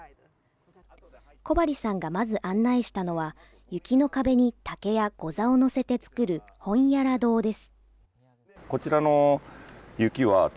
小針さんがまず案内したのは、雪の壁に竹やござを乗せて作るホンヤラドウです。